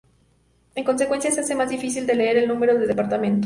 En consecuencia, se hace más difícil de leer el número de departamento.